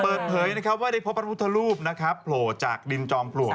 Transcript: เปิดเผยว่าได้พบพระพุทธรูปโผล่จากดินจอมปลวง